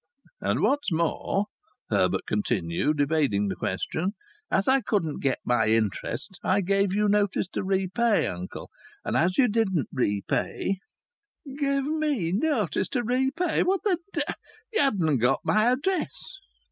"And what's more," Herbert continued, evading the question, "as I couldn't get my interest I gave you notice to repay, uncle, and as you didn't repay " "Give me notice to repay! What the dev ? You hadna' got my address."